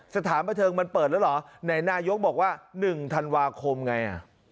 สถานบันเทิงมันเปิดแล้วเหรอไหนนายกบอกว่า๑ธันวาคมไง